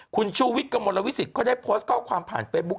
คุณชูวิทย์กระมวลวิสิตก็ได้โพสต์ข้อความผ่านเฟซบุ๊ค